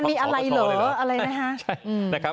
มันมีอะไรเหรออะไรนะฮะ